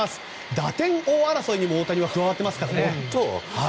打点王争いにも大谷は加わってますからね。